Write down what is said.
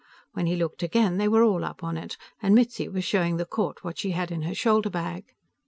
When he looked again, they were all up on it, and Mitzi was showing the court what she had in her shoulder bag.